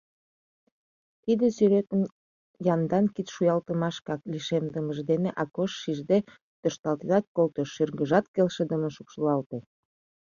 Тиде сӱретым яндан кид шуялтымашкак лишемдымыже дене Акош шижде тӧршталтенат колтыш, шӱргыжат келшыдымын шупшылалте.